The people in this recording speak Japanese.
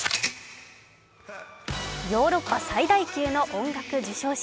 ヨーロッパ最大級の音楽授賞式。